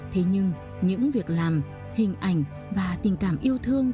thế nhưng những việc làm hình ảnh và tình cảm yêu thương